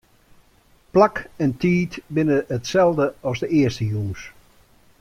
Plak en tiid binne itselde as de earste jûns.